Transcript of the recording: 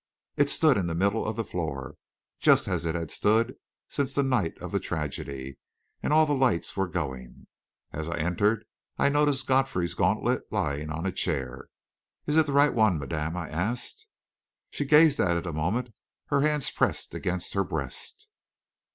It stood in the middle of the floor, just as it had stood since the night of the tragedy, and all the lights were going. As I entered, I noticed Godfrey's gauntlet lying on a chair. "Is it the right one, madame?" I asked. She gazed at it a moment, her hands pressed against her breast.